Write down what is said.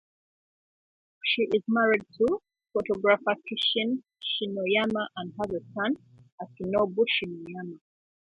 She is married to photographer Kishin Shinoyama, and has a son, Akinobu Shinoyama.